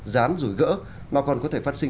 dán rủi gỡ mà còn có thể phát sinh